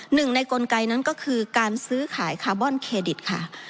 หนึ่งในกลไกนั้นก็คือการซื้อขายคาร์บอนเครดิตค่ะ